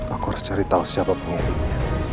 aku harus cerita siapa punya dia